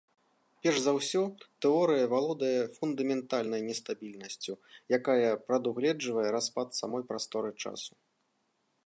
Перш за ўсё, тэорыя валодае фундаментальнай нестабільнасцю, якая прадугледжвае распад самой прасторы-часу.